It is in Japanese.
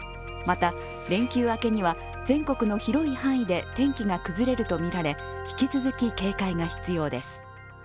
また、連休明けには全国の広い範囲で天気が崩れるとみられ、引き続き警戒が必要です。